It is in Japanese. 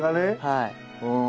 はい。